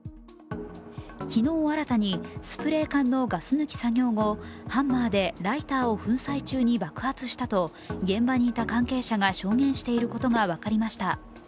昨日、新たにスプレー缶のガス抜き作業後、ハンマーでライターを粉砕中に爆発したと現場にいた関係者が証言していることが分かりました。